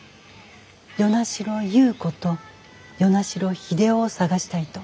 「与那城優子と与那城秀夫を捜したい」と。